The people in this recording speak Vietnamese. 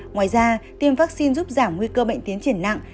ngoài ra tiêm vaccine giúp giảm nguy cơ bệnh tiến triển nặng